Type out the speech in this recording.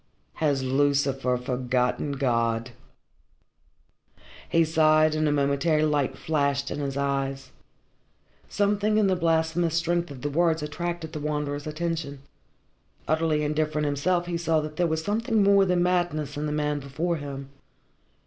Has Lucifer forgotten God?" He sighed, and a momentary light flashed in his eyes. Something in the blasphemous strength of the words attracted the Wanderer's attention. Utterly indifferent himself, he saw that there was something more than madness in the man before him.